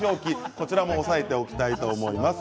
こちらも押さえておきたいと思います。